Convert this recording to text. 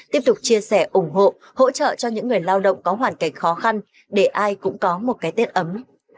tiếp tục chia sẻ ủng hộ hỗ trợ cho những người lao động có hoàn cảnh khó khăn để ai cũng có một cái tết ấm